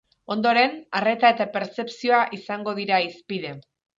Ondoren, arreta eta pertzepzioa izango dira hizpide.